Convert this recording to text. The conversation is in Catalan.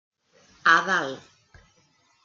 A dalt.